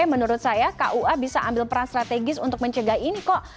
menurut saya kua bisa ambil peran strategis untuk mencegah ini kok